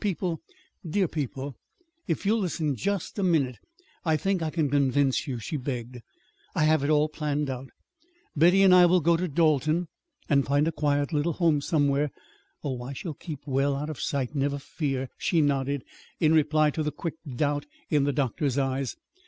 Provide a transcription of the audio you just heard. "People, dear people, if you'll listen just a minute I think I can convince you," she begged. "I have it all planned out. Betty and I will go to Dalton and find a quiet little home somewhere. Oh, I shall keep well out of sight never fear," she nodded, in reply to the quick doubt in the doctor's eyes.